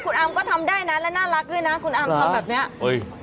คุณอาร์มก็ทำได้นะและน่ารักด้วยนะคุณอามทำแบบเนี้ยเอ้ย